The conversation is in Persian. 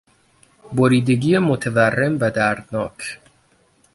بریدگی متورم و دردناک